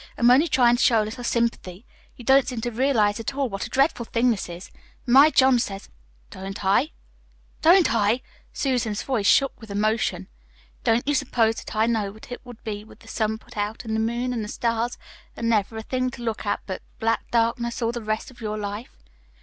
I'm only tryin' to show a little sympathy. You don't seem to realize at all what a dreadful thing this is. My John says " "Don't I DON'T I?" Susan's voice shook with emotion. "Don't you s'pose that I know what it would be with the sun put out, an' the moon an' the stars, an' never a thing to look at but black darkness all the rest of your life?